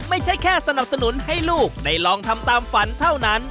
ไม่ใช่แค่สนับสนุนให้ลูกได้ลองทำตามฝันเท่านั้น